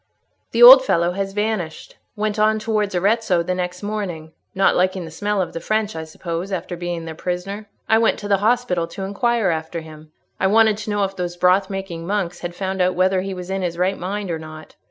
"The old fellow has vanished; went on towards Arezzo the next morning; not liking the smell of the French, I suppose, after being their prisoner. I went to the hospital to inquire after him; I wanted to know if those broth making monks had found out whether he was in his right mind or not.